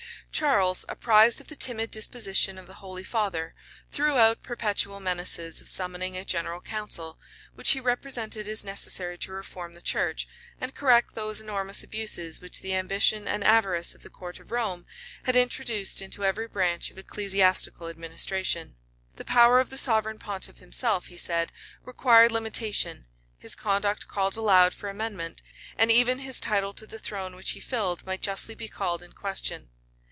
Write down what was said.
* Burnet, vol. i. p. 51. Father Paul, lib. i. Guicciard. Charles, apprised of the timid disposition of the holy father, threw out perpetual menaces of summoning a general council; which he represented as necessary to reform the church, and correct those enormous abuses which the ambition and avarice of the court of Rome had introduced into every branch of ecclesiastical administration. The power of the sovereign pontiff himself, he said, required limitation; his conduct called aloud for amendment; and even his title to the throne which he filled might justly be called in question.